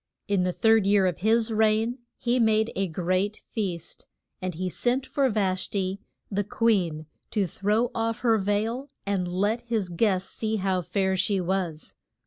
In the third year of his reign he made a great feast. And he sent for Vash ti, the queen, to throw off her veil and let his guests see how fair she was.